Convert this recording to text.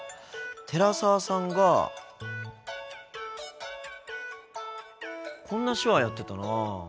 寺澤さんがこんな手話やってたな。